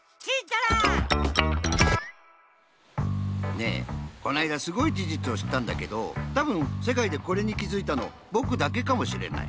ねえこのあいだすごいじじつをしったんだけどたぶんせかいでこれにきづいたのぼくだけかもしれない。